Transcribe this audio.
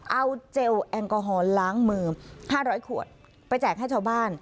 เอาเจลแอลกอฮอลล้างมือ๕๐๐ขวดไปแจกให้ชาวบ้าน